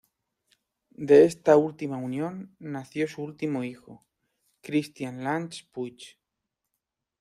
De esta última unión nació su último hijo, Christian Lange Puig.